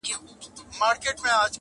کښتۍ وان ویل مُلا لامبو دي زده ده؟!!